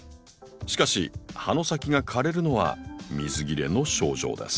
しかし葉の先が枯れるのは水切れの症状です。